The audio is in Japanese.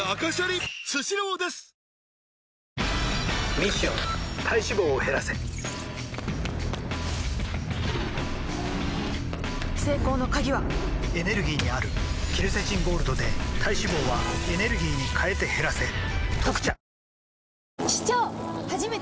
ミッション体脂肪を減らせ成功の鍵はエネルギーにあるケルセチンゴールドで体脂肪はエネルギーに変えて減らせ「特茶」